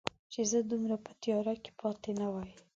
چې زه دومره په تیاره کې پاتې نه وای